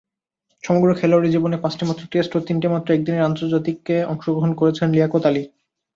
সমগ্র খেলোয়াড়ী জীবনে পাঁচটিমাত্র টেস্ট ও তিনটিমাত্র একদিনের আন্তর্জাতিকে অংশগ্রহণ করেছেন লিয়াকত আলী।